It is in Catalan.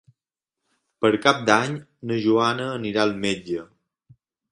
Per Cap d'Any na Joana anirà al metge.